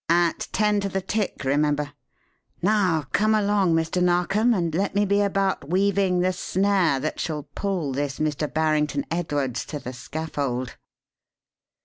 "At ten to the tick, remember. Now come along, Mr. Narkom, and let me be about weaving the snare that shall pull this Mr. Barrington Edwards to the scaffold."